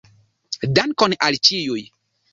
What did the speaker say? Dankon al ĉiuj.